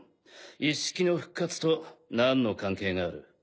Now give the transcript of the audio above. イッシキの復活と何の関係がある？